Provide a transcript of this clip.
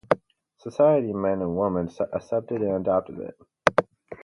Society men and women accepted and adopted it.